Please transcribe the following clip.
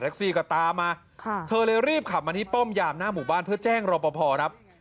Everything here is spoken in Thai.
แท็กซี่ก็ตามมาเธอเลยรีบขับมาที่ป้อมหย่ามหน้าหมู่บ้านเพื่อแจ้งโรปพอร์นะ